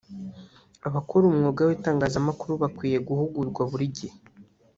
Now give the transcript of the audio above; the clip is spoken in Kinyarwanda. Abakora umwuga w’Itangazamakuru bakwiye guhugurwa buri gihe